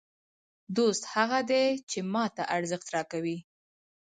دوست هغه دئ، چي ما ته ارزښت راکوي.